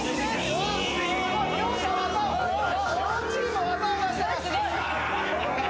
両チーム技を出してます。